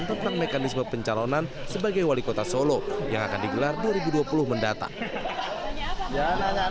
tentang mekanisme pencalonan sebagai wali kota solo yang akan digelar dua ribu dua puluh mendatang